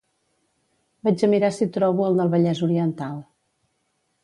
Vaig a mirar si trobo el del Vallès oriental